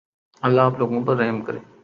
اللہ آپ لوگوں پر رحم کرے